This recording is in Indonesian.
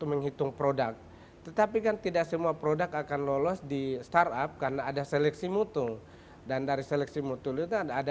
kan tidak semua produk akan lolos di startup karena ada seleksi mutung dan dari seleksi mutul itu ada